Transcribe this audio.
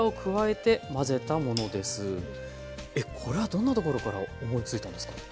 これはどんなところから思いついたんですか？